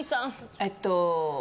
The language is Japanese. えっと。